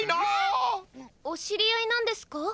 お知り合いなんですか？